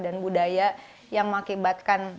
dan budaya yang mengakibatkan